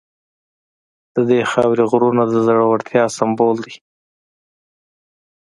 د دې خاورې غرونه د زړورتیا سمبول دي.